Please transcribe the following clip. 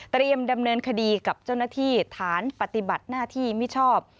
ดำเนินคดีกับเจ้าหน้าที่ฐานปฏิบัติหน้าที่มิชอบ